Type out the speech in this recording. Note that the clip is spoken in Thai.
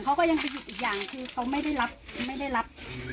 เขาก็ยังจะหยุดอีกอย่างคือเขาไม่ได้รับไม่ได้รับ